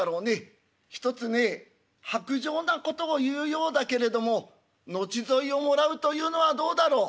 ひとつね薄情なことを言うようだけれども後添いをもらうというのはどうだろう。